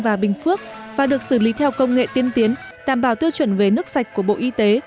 và bình phước và được xử lý theo công nghệ tiên tiến đảm bảo tiêu chuẩn về nước sạch của bộ y tế